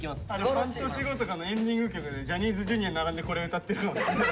半年後とかのエンディング曲でジャニーズＪｒ．並んでこれ歌ってるかもしんない。